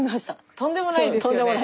とんでもないです。